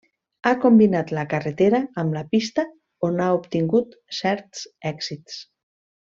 Ha combinat la carretera amb la pista on ha obtingut certs èxits.